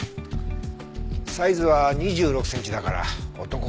サイズは２６センチだから男かな。